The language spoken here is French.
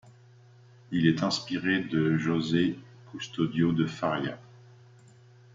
Il est inspiré de José Custódio de Faria.